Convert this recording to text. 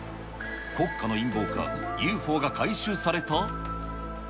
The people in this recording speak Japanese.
国家の陰謀か、ＵＦＯが回収された？